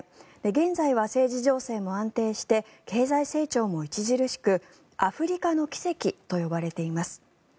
現在は政治情勢も安定して経済成長も著しくアフリカの奇跡と呼ばれています。